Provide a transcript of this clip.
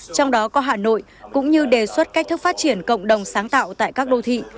trong đó có hà nội cũng như đề xuất cách thức phát triển cộng đồng sáng tạo tại các đô thị